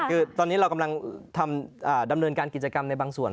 คือตอนนี้เรากำลังดำเนินการกิจกรรมในบางส่วน